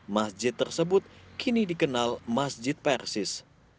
masjid tersebut kini dikenal masjid persis